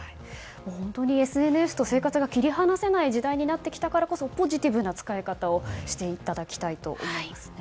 本当にＳＮＳと生活が切り離せない時代になってきたからこそポジティブな使い方をしていただきたいと思いますね。